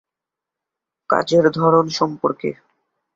কাজের ধরন সম্পর্কে।